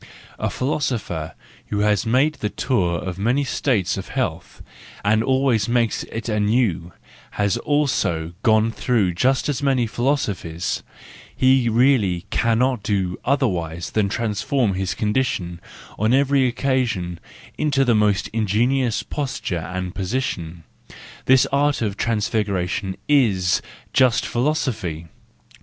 A philosopher who has made the tour of many states of health, and always makes it anew, has also gone through just as many philosophies: he really cannot do otherwise than transform his condition on every occasion into the most ingenious posture and position,—this art of transfiguration is just philosophy.